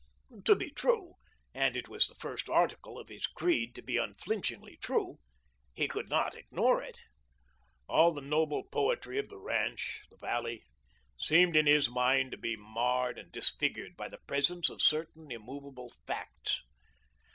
To be true and it was the first article of his creed to be unflinchingly true he could not ignore it. All the noble poetry of the ranch the valley seemed in his mind to be marred and disfigured by the presence of certain immovable facts.